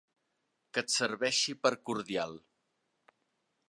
Que et serveixi per cordial.